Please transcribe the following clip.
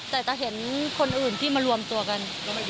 แต่จะเห็นคนอื่นที่มารวมตัวกัน